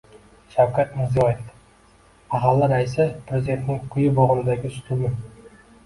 Shavkat Mirziyoyev: Mahalla raisi – Prezidentning quyi bo‘g‘indagi ustuni